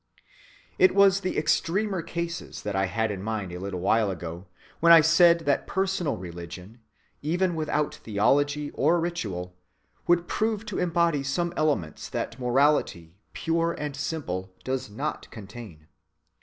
It was the extremer cases that I had in mind a little while ago when I said that personal religion, even without theology or ritual, would prove to embody some elements that morality pure and simple does not contain.